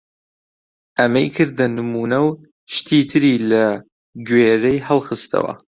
ئەمەی کردە نموونە و شتی تری لە گوێرەی هەڵخستەوە!